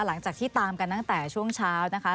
หลังจากที่ตามกันตั้งแต่ช่วงเช้านะคะ